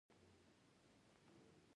د ساتسوما قلمرو په بشپړ ډول خپلواک پاتې شو.